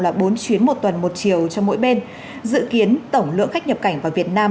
là bốn chuyến một tuần một chiều cho mỗi bên dự kiến tổng lượng khách nhập cảnh vào việt nam